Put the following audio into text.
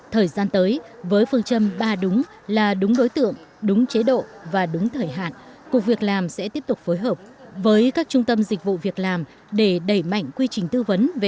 thời gian tới với phương châm ba đúng là đúng đối tượng đúng chế độ và đúng thời hạn cục việc làm sẽ tiếp tục phối hợp với các trung tâm dịch vụ việc làm để đẩy mạnh quy trình tư vấn về việc làm